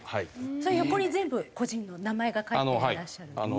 それ横に全部個人の名前が書いてらっしゃる？